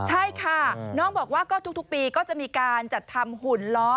ใช่ค่ะน้องบอกว่าก็ทุกปีก็จะมีการจัดทำหุ่นล้อ